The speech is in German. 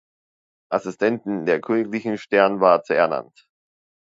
Assistenten der königlichen Sternwarte ernannt.